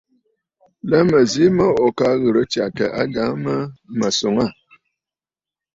La mə̀ zi mə ò ka ghɨ̀rə tsyàtə ajàŋə mə mə̀ swòŋə aà.